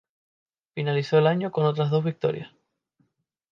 Finalizó el año con tras dos victorias.